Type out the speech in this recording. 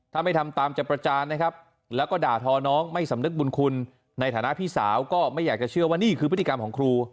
ถ้าไม่ทำตามจะประจานนะครับแล้วก็ด่าทอน้องไม่สำนึกบุญคุณในฐานะพี่สาวก็ไม่อยากจะเชื่อว่านี่คือพฤติกรรมของครู